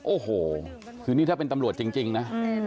โอโหคือนี่ถ้าเป็นตังค์จริงจริงนะ